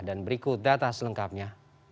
dan berikut data selengkapnya